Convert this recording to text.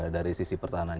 dari sisi pertahanan